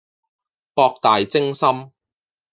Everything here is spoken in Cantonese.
博大精深